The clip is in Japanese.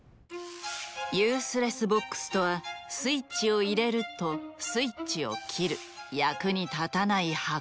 ユースレスボックスとはスイッチを入れるとスイッチを切る役に立たない箱。